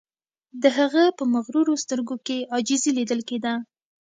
د هغه په مغرورو سترګو کې عاجزی لیدل کیده